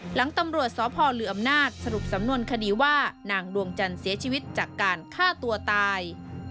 หลังตำรวจสพลืออำนาจสรุปสำนวนคดีว่านางดวงจันทร์เสียชีวิตจากการฆ่าตัวตาย